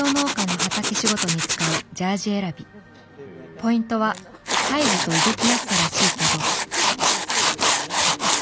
ポイントはサイズと動きやすさらしいけど。